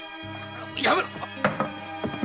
やめろ！